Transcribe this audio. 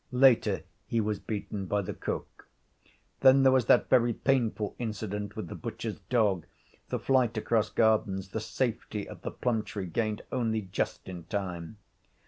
Later he was beaten by the cook. Then there was that very painful incident with the butcher's dog, the flight across gardens, the safety of the plum tree gained only just in time.